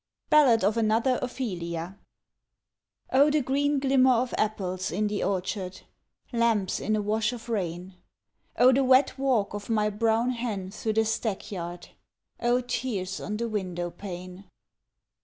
BALLAD OF ANOTHER OPHELIA OH the green glimmer of apples in the orchard, Lamps in a wash of rain! Oh the wet walk of my brown hen through the stack yard, Oh tears on the window pane!